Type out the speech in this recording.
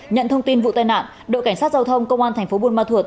nhận thông tin vụ tai nạn đội cảnh sát giao thông công an thành phố buôn ma thuột